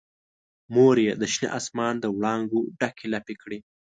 مور یې د شنه اسمان دوړانګو ډکې لپې کړي